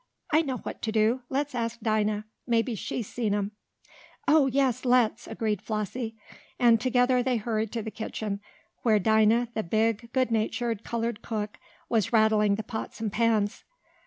"I know what to do. Let's ask Dinah. Maybe she's seen 'em." "Oh, yes, let's!" agreed Flossie, and together they hurried to the kitchen where Dinah, the big, good natured, colored cook, was rattling the pots and pans.